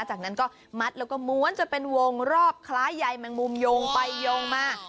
จากนั้นก็มัดแล้วก็ม้วนจะเป็นวงรอบคล้ายใยแมงมุมโยงไปโยงมา